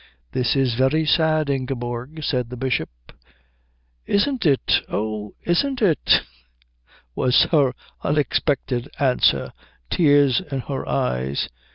"This is very sad, Ingeborg," said the Bishop. "Isn't it oh, isn't it " was her unexpected answer, tears in her eyes.